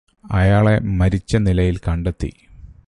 അയാളെ മരിച്ച നിലയില് കണ്ടെത്തി